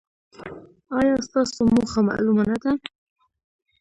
ایا ستاسو موخه معلومه نه ده؟